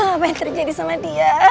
apa yang terjadi sama dia